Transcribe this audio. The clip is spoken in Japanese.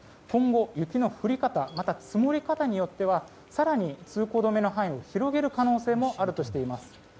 今後、雪の降り方また、積もり方によっては更に通行止めの範囲を広げる可能性もあるとしています。